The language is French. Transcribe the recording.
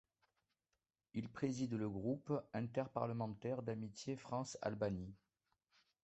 Il préside le groupe interparlementaire d’amitié France-Albanie.